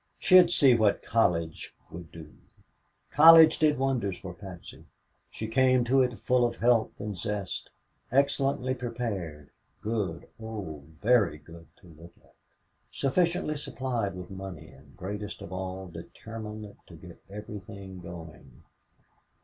She'd see what college would do. College did wonders for Patsy. She came to it full of health and zest, excellently prepared; good, oh very good, to look at; sufficiently supplied with money, and, greatest of all, determined to get everything going.